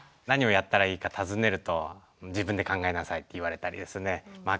何をやったらいいか尋ねると自分で考えなさいって言われたりですね